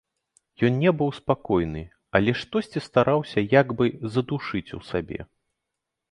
Ён не быў спакойны, але штосьці стараўся як бы задушыць у сабе.